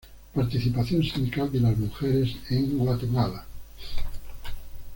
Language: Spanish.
Participación sindical de las mujeres en Guatemala.